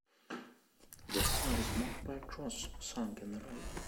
The site is marked by a cross sunk in the road.